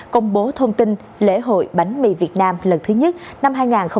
công bố thông tin lễ hội bánh mì việt nam lần thứ nhất năm hai nghìn hai mươi